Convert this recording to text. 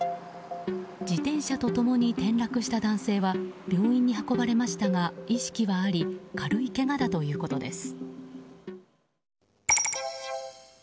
自転車と共に転落した男性は病院に運ばれましたが意識はあり軽いけがだということです。